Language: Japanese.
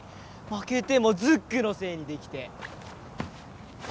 負けてもズックのせいにできて。